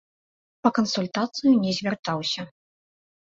Па кансультацыю не звяртаўся.